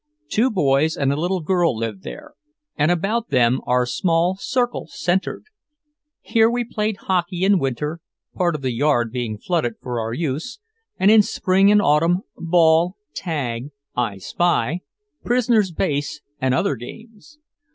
Two boys and a little girl lived here, and about them our small circle centered. Here we played hockey in winter, part of the yard being flooded for our use; and in Spring and Autumn, ball, tag, I spy, prisoner's base and other games.